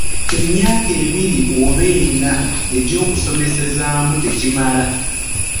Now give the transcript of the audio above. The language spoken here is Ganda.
Emyaka ebiri oba enna egy’okusomeseezaamu tegimala.